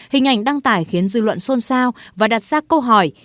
hình ảnh đăng tải khiến dư luận xôn xao và đặt ra câu hỏi